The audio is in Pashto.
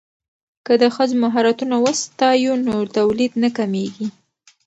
که د ښځو مهارتونه وستایو نو تولید نه کمیږي.